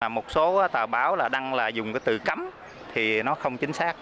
một số tờ báo đăng là dùng từ cấm thì nó không chính xác